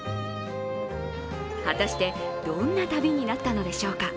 果たしてどんな旅になったのでしょうか。